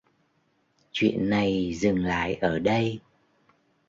Chuyện này dừng lại ở đây